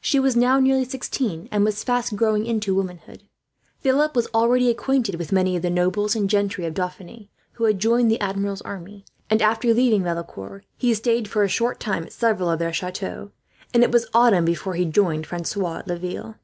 She was now nearly sixteen, and was fast growing into womanhood. Philip was already acquainted with many of the nobles and gentry of Dauphiny who had joined the Admiral's army and, after leaving Valecourt, he stayed for a short time at several of their chateaux; and it was autumn before he joined Francois at Laville.